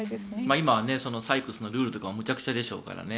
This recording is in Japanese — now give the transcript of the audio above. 今は採掘のルールもむちゃくちゃですからね。